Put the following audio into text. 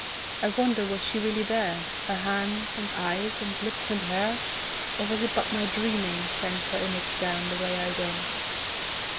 I wonder was she really there Her hands, and eyes, and lips, and hair? Or was it but my dreaming sent Her image down the way I went?